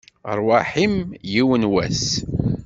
Rrwaḥ-im, yiwen n wass!